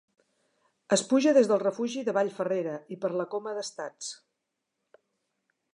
Es puja des del refugi de vall Ferrera i per la coma d'Estats.